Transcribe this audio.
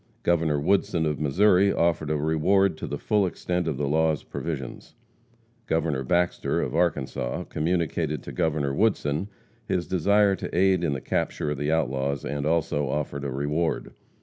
Governor Woodson, of Missouri, offered a reward to the full extent of the law's provisions. Governor Baxter, of Arkansas, communicated to Governor Woodson his desire to aid in the capture of the outlaws, and also offered a reward.